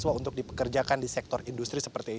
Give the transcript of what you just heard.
yang yang kami sampai